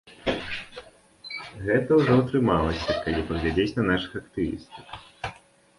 Гэта ўжо атрымалася, кал паглядзець на нашых актывістак.